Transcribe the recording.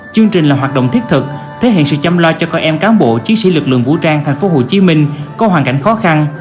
chương trình là hoạt động thiết thực thể hiện sự chăm lo cho con em cán bộ chiến sĩ lực lượng vũ trang tp hcm có hoàn cảnh khó khăn